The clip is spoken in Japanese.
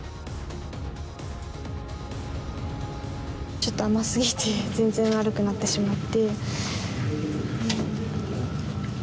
ちょっと甘すぎて全然悪くなってしまって。